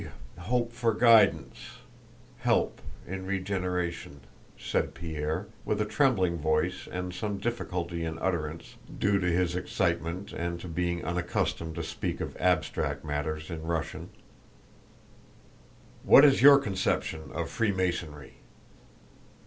"I... hope... for guidance... help... in regeneration," said Pierre, with a trembling voice and some difficulty in utterance due to his excitement and to being unaccustomed to speak of abstract matters in Russian. "What is your conception of Freemasonry?"